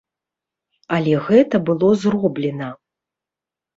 Але гэта было зроблена!